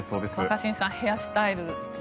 若新さん、ヘアスタイル。